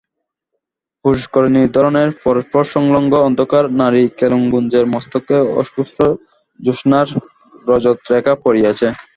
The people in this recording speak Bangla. পুষ্করিণীর ধারের পরস্পরসংলগ্ন অন্ধকার নারিকেলকুঞ্জের মস্তকে অস্ফুট জ্যোৎস্নার রজতরেখা পড়িয়াছে।